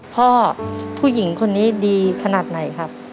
พ่อผู้หญิงคนนี้ดีขนาดไหนครับ